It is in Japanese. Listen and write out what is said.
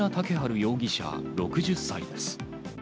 容疑者６０歳です。